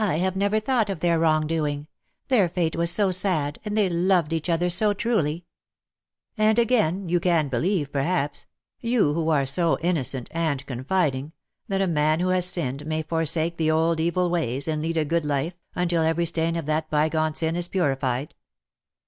have never thought of their wrong doing. Their fate was so sad, and they loved each other so truly/ '" And, again, you can believe, perhaps — you who are so innocent and confiding — that a man who has sinned may forsake the old evil ways and lead a good life, until every stain of that bygone sin is purified.